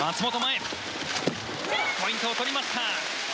ポイントを取りました。